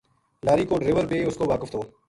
لاری کو ڈریور بے اس کو واقف تھو